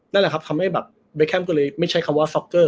นั่นแหละครับทำให้แบบเบแคมก็เลยไม่ใช่คำว่าซ็อกเกอร์